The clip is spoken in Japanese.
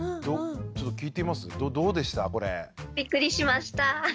びっくりしました。